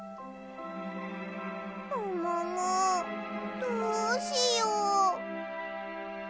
もももどうしよう。